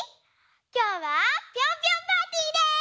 きょうはピョンピョンパーティーです！